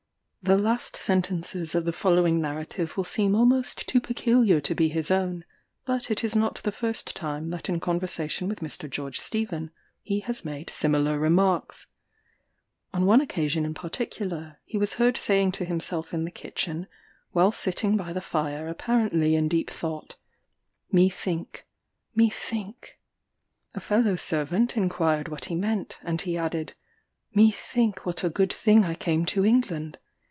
The last sentences of the following narrative will seem almost too peculiar to be his own; but it is not the first time that in conversation with Mr. George Stephen, he has made similar remarks. On one occasion in particular, he was heard saying to himself in the kitchen, while sitting by the fire apparently in deep thought, "Me think, me think " A fellow servant inquired what he meant; and he added, "Me think what a good thing I came to England!